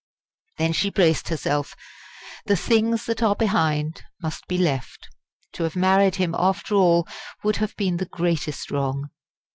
Then she braced herself. The "things that are behind" must be left. To have married him after all would have been the greatest wrong.